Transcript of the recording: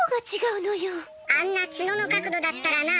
あんなツノの角度だったらなあ。